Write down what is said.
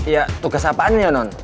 ya tugas apaan ya non